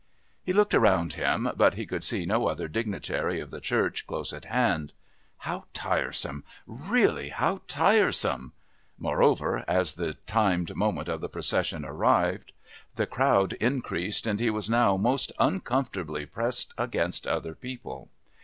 He looked around him, but he could see no other dignitary of the Church close at hand. How tiresome really, how tiresome! Moreover, as the timed moment of the procession arrived the crowd increased, and he was now most uncomfortably pressed against other people.